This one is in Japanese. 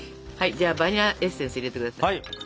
じゃあバニラエッセンス入れて下さい。